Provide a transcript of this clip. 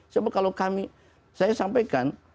sebab kalau kami saya sampaikan